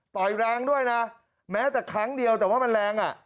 แรงด้วยนะแม้แต่ครั้งเดียวแต่ว่ามันแรงอ่ะ